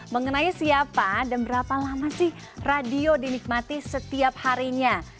mengenai siapa dan berapa lama sih radio dinikmati setiap harinya